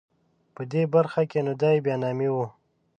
په دې برخه کې نو دای بیا نامي و.